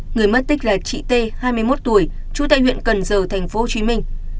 người mất tích là chị t hai mươi một tuổi trú tại huyện cần giờ thành phố hồ chí minh